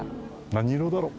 何色だろう？